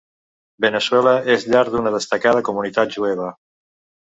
Veneçuela és llar d'una destacada comunitat jueva.